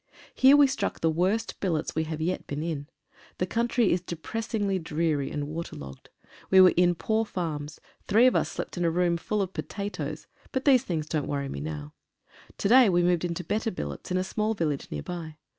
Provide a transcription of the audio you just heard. Here we struck the worst billets we have yet been in. The country is depressingly dreary and waterlogged. We were in poor farms ; three of us slept in a room full oi potatoes, but these things don't worry me now. To day we moved into better billets in a small village near by.